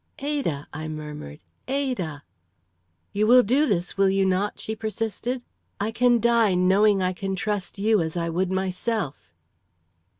"Ada!" I murmured, "Ada!" "You will do this, will you not?" she persisted. "I can die knowing I can trust you as I would myself."